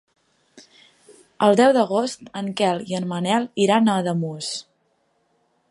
El deu d'agost en Quel i en Manel iran a Ademús.